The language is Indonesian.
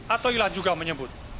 atoila juga menyebut